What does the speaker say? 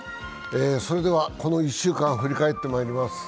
それでは、この１週間を振り返ってまいります。